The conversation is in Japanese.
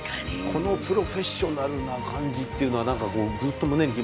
このプロフェッショナルな感じというのは何かぐっと胸に来ました。